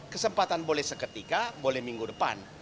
kesempatan boleh seketika boleh minggu depan